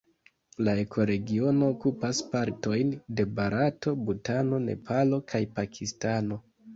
La ekoregiono okupas partojn de Barato, Butano, Nepalo kaj Pakistano.